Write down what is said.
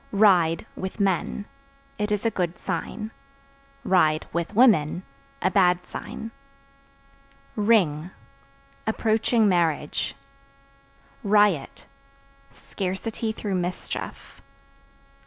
Ride (With men) it is a good sign; (with women) a bad sign. Ring Approaching marriage. Riot Scarcity through mischief.